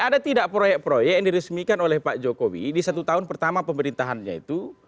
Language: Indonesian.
ada tidak proyek proyek yang diresmikan oleh pak jokowi di satu tahun pertama pemerintahannya itu